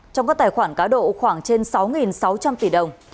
trong các tài khoản cá độ khoảng trên sáu sáu trăm linh tỷ đồng